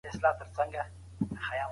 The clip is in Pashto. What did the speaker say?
څارنوال وویل چي پلټني لا روانې دي.